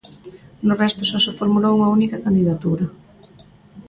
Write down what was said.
No resto só se formulou unha única candidatura.